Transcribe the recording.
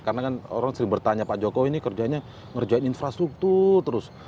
karena kan orang sering bertanya pak jokowi ini kerjanya ngerjain infrastruktur terus